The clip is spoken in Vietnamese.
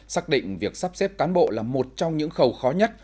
xác định việc sắp xếp cán bộ là một trong những khẩu khó nhất